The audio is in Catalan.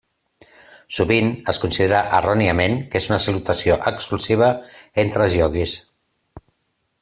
Sovint es considera erròniament que és una salutació exclusiva entre els ioguis.